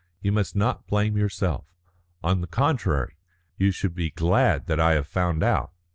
You must not blame yourself. On the contrary, you should be glad that I have found out."